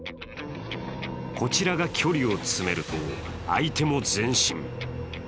こちらが距離を詰めると相手も前進。